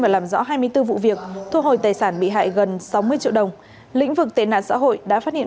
và làm rõ hai mươi bốn vụ việc thu hồi tài sản bị hại gần sáu mươi triệu đồng lĩnh vực tệ nạn xã hội đã phát hiện